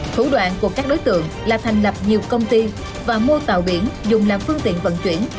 thủ đoạn của các đối tượng là thành lập nhiều công ty và mua tàu biển dùng làm phương tiện vận chuyển